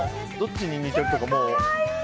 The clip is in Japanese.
どっちに似てるとかもう。